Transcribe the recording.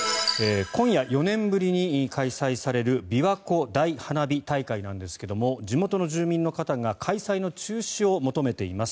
今夜４年ぶりに開催されるびわ湖大花火大会ですが地元の住民の方が開催の中止を求めています。